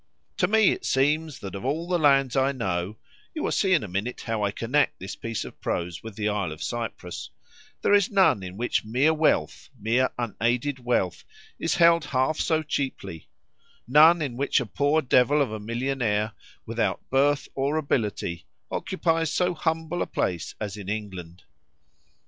To me it seems, that of all the lands I know (you will see in a minute how I connect this piece of prose' with the isle of Cyprus), there is none in which mere wealth, mere unaided wealth, is held half so cheaply; none in which a poor devil of a millionaire, without birth, or ability, occupies so humble a place as in England.